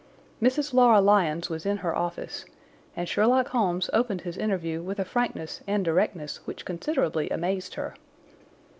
Mrs. Laura Lyons was in her office, and Sherlock Holmes opened his interview with a frankness and directness which considerably amazed her.